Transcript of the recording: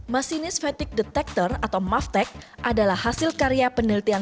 masinis fetik detektor atau maftec adalah hasil karya penelitian